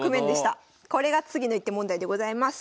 これが次の一手問題でございます。